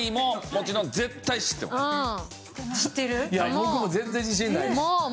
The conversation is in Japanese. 僕も全然自信ないです。